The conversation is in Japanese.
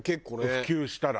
普及したら。